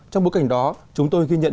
trong bối cảnh đó chúng tôi ghi nhận